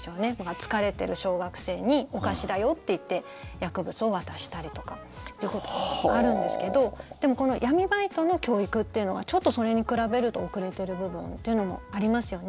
疲れてる小学生にお菓子だよって言って薬物を渡したりとかっていうことがあるんですけどでもこの闇バイトの教育っていうのがちょっとそれに比べると遅れてる部分っていうのもありますよね。